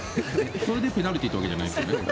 それでペナルティってわけじゃないですよね。